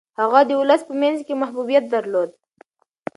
هغه د ولس په منځ کي محبوبیت درلود.